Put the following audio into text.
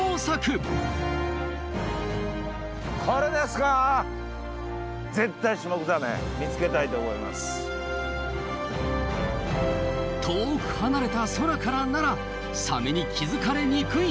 遠く離れた空からならサメに気付かれにくいはず。